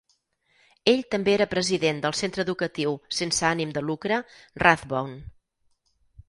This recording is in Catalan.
Ell també era president del centre educatiu sense ànim de lucre Rathbone.